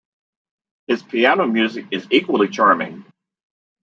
His piano music is equally charming.